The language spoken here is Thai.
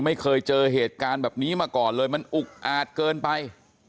ไม่เคยเจอเหตุการณ์แบบนี้มาก่อนเลยมันอุกอาจเกินไป